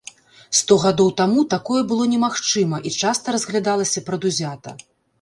Сто гадоў таму такое было немагчыма, і часта разглядалася прадузята.